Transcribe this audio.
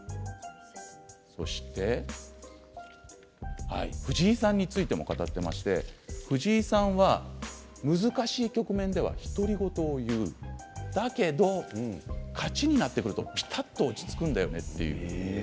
そして、藤井さんについても語っています、藤井さんは難しい局面では独り言を言うだけど勝ちになってくるとぴたっと落ち着くんだよねと。